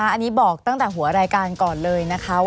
อันนี้บอกตั้งแต่หัวรายการก่อนเลยนะคะว่า